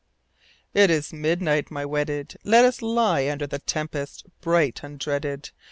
I. It is midnight, my wedded ; Let us lie under The tempest bright undreaded.